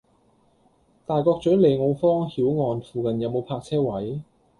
大角嘴利奧坊·曉岸附近有無泊車位？